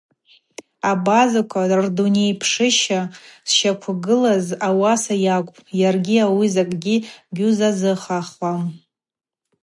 Абазаква рдунейпшыща шщаквгылыз ауаса йакӏвпӏ, йаргьи ауи закӏгьи гьузазыхахуам.